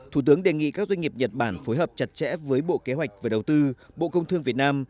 thủ tướng đề nghị các doanh nghiệp nhật bản phối hợp chặt chẽ với bộ kế hoạch và đầu tư bộ công thương việt nam